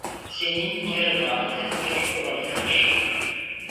Zemin yarı dağlık yarı ovalıktır.